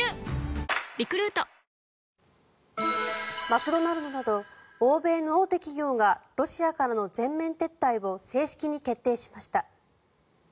マクドナルドなど欧米の大手企業がロシアからの全面撤退を正式に決定しました。